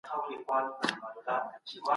مه ځه بلکې دلته کښېنه.